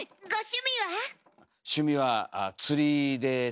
趣味は釣りです。